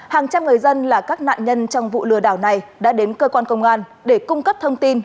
hàng trăm người dân là các nạn nhân trong vụ lừa đảo này đã đến cơ quan công an để cung cấp thông tin